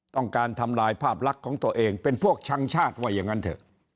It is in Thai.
ต้องการทำลายภาพลักษณ์ของตัวเองเป็นพวกชังชาติว่าอย่างนั้นเถอะ